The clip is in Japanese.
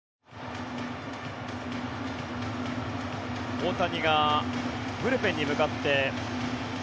大谷がブルペンに向かって。